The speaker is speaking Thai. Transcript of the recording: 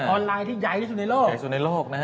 ออนไลน์ที่ใหญ่สุดในโลก